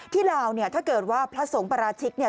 ลาวเนี่ยถ้าเกิดว่าพระสงฆ์ปราชิกเนี่ย